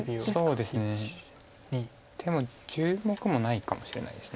そうですねでも１０目もないかもしれないです。